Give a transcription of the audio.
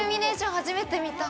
初めて見た。